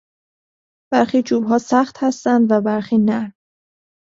برخی چوبها سخت هستند و برخی نرم.